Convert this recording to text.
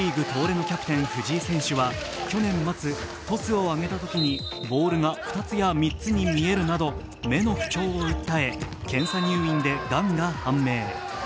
東レのキャプテン・藤井選手は去年、試合中にトスを上げたときにボールが２つや３つに見えるなど、目の不調を訴え検査入院でがんが判明。